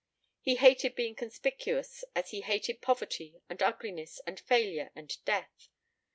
He hated being conspicuous as he hated poverty and ugliness and failure and death.